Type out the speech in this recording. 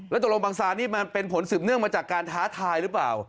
แล้วตกลงบังซานี่มันเป็นผลสืบเนื่องมาจากการท้าทายหรือเปล่า